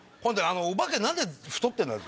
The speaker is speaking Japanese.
お化け何で太ってんだよ